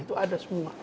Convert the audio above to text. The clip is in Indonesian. itu ada semua